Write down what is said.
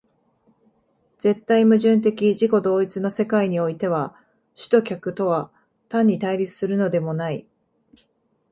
絶対矛盾的自己同一の世界においては、主と客とは単に対立するのでもない。